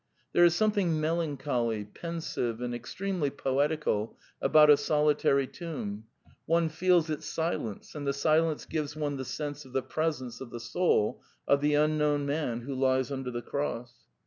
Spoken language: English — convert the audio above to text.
'There is something melan choly, pensive, and extremely poetical about a soli tary tomb; one feels its silence, and the silence gives one the sense of the presence of the soul of the un known man who lies under the cross.